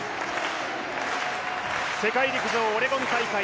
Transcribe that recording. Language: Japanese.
世界陸上オレゴン大会